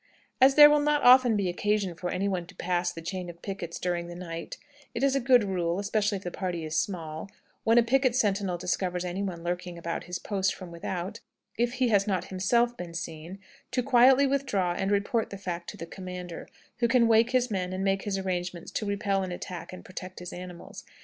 As there will not often be occasion for any one to pass the chain of pickets during the night, it is a good rule (especially if the party is small), when a picket sentinel discovers any one lurking about his post from without, if he has not himself been seen, to quietly withdraw and report the fact to the commander, who can wake his men and make his arrangements to repel an attack and protect his animals.